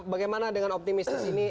bagaimana dengan optimis disini